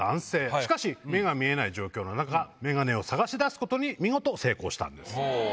しかし、目が見えない状況の中、眼鏡を探し出すことに見事、成功したんです。